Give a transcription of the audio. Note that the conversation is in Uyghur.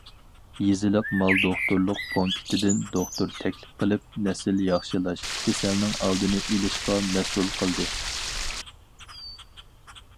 يېزىلىق مال دوختۇرلۇق پونكىتىدىن دوختۇر تەكلىپ قىلىپ، نەسىل ياخشىلاش، كېسەلنىڭ ئالدىنى ئېلىشقا مەسئۇل قىلدى.